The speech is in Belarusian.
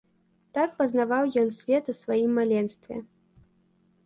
Так пазнаваў ён свет у сваім маленстве.